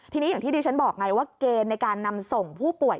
ทีนี้อย่างที่ดิฉันบอกไงว่าเกณฑ์ในการนำส่งผู้ป่วย